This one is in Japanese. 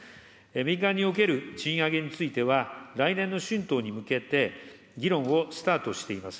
民間における賃上げについては、来年の春闘に向けて、議論をスタートしています。